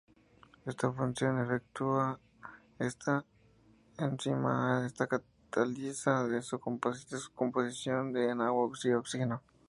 Esta función la efectúa esta enzima que cataliza su descomposición en agua y oxígeno.